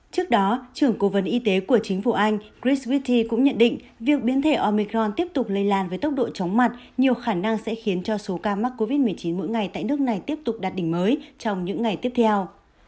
trước đó trưởng cố vấn y tế của chính phủ anh chris witti cũng nhận định việc biến thể omicron tiếp tục lây lan với tốc độ chóng mặt nhiều khả năng sẽ khiến cho số ca mắc covid một mươi chín mỗi ngày tại nước này tiếp tục đạt đỉnh mới trong những ngày tiếp theo